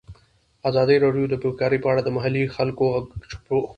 ازادي راډیو د بیکاري په اړه د محلي خلکو غږ خپور کړی.